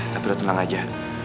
tapi lo tenang aja